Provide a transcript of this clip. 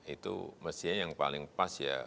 itu mestinya yang paling pas ya